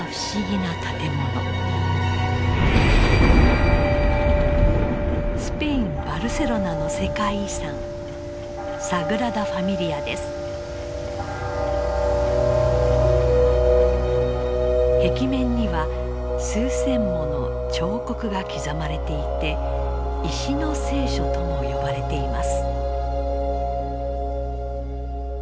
なんとスペイン・バルセロナの世界遺産壁面には数千もの彫刻が刻まれていてとも呼ばれています。